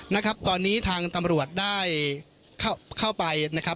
นะครับตอนนี้ทางตำรวจได้เข้าไปนะครับ